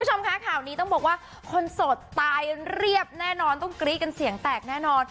คุณผู้ชมคะข่าวนี้ต้องบอกว่าคนโสดตายเรียบแน่นอนต้องกรี๊ดกันเสียงแตกแน่นอน